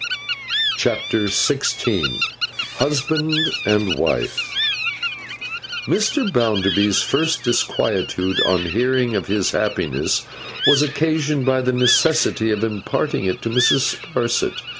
CHAPTER XVI HUSBAND AND WIFE MR. BOUNDERBY'S first disquietude on hearing of his happiness, was occasioned by the necessity of imparting it to Mrs. Sparsit.